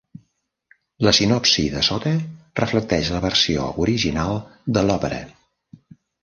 La sinopsi de sota reflecteix la versió original de l'òpera.